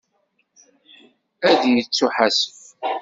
Ad yettuḥasef.